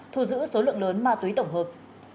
thu giữ số lượng lớn ma túy tổng hợp